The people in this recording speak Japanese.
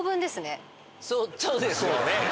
そそうですよね。